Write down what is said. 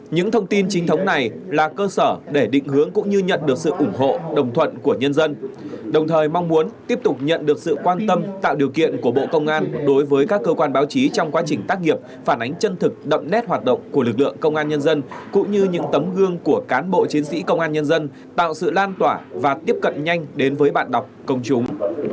những thông tin chính thống này là cơ sở để định hướng cũng như nhận được sự ủng hộ đồng thuận của nhân dân đồng thời mong muốn tiếp tục nhận được sự quan tâm tạo điều kiện của bộ công an đối với các cơ quan báo chí trong quá trình tác nghiệp phản ánh chân thực đậm nét hoạt động của lực lượng công an nhân dân cũng như những tấm gương của cán bộ chiến sĩ công an nhân dân tạo sự lan tỏa và tiếp cận nhanh đến với bạn đọc công chúng